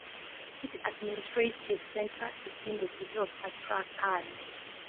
Its administrative center is the city of Astrakhan.